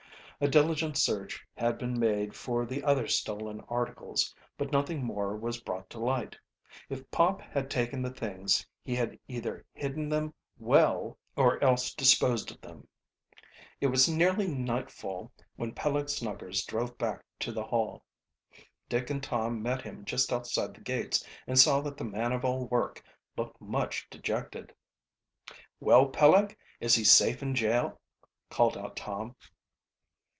A diligent search had been made for the other stolen articles, but nothing more was brought to light. If Pop had taken the things he had either hidden them well or else disposed of them. It was nearly nightfall when Peleg Snuggers drove back to the Hall. Dick and Tom met him just outside the gates and saw that the man of all work looked much dejected. "Well, Peleg, is he safe in jail?" called out Tom.